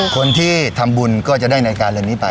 คนที่ทำบุญก็จะได้นาฬิกาเรื่องนี้ไป